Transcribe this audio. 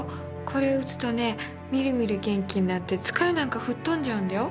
これ打つとねみるみる元気になって疲れなんか吹っ飛んじゃうんだよ。